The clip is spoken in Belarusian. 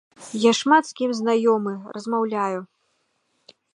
Я шмат з кім знаёмы, размаўляю.